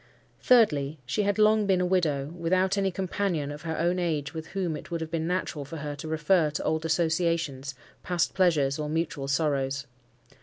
Thirdly, she had long been a widow, without any companion of her own age with whom it would have been natural for her to refer to old associations, past pleasures, or mutual sorrows.